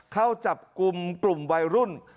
เข้าจับกลุ่มวัยรุ่น